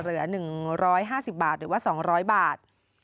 เหลือ๑๕๐บาทหรือว่า๒๐๐บาท